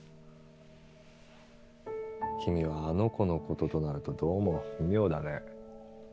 君はあの子のこととなるとどうも妙だね。